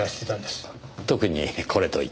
特にこれといって。